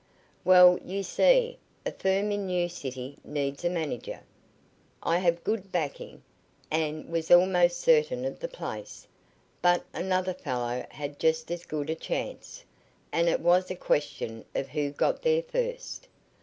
"Well, you see, a firm in New City needs a manager. I have good backing, and was almost certain of the place. But another fellow had just as good a chance, and it was a question of who got there first.